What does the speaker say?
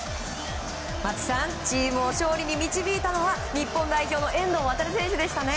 松木さん、チームを勝利に導いたのは遠藤渉選手でしたね。